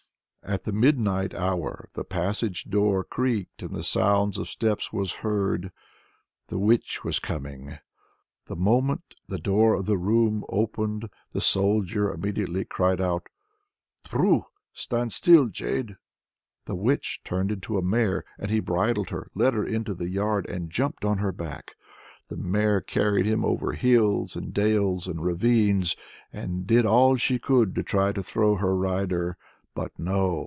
At the midnight hour the passage door creaked and the sound of steps was heard; the witch was coming! The moment the door of the room opened, the Soldier immediately cried out "Tprru! stand still, jade!" The witch turned into a mare, and he bridled her, led her into the yard, and jumped on her back. The mare carried him off over hills and dales and ravines, and did all she could to try and throw her rider. But no!